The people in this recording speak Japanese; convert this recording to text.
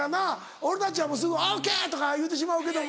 俺たちはすぐ「ＯＫ！」とか言うてしまうけども。